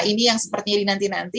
ini yang sepertinya dinanti nanti